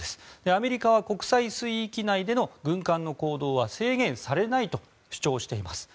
アメリカは国際水域内での軍艦の行動は制限されないと主張しています。